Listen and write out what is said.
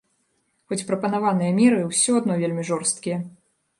Хоць прапанаваныя меры ўсё адно вельмі жорсткія.